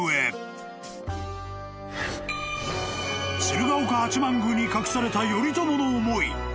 ［鶴岡八幡宮に隠された頼朝の思い］